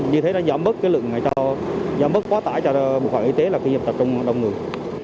như thế nó giảm bớt cái lượng này cho giảm bớt quá tải cho bộ phận y tế là khi nhập tập trong đông người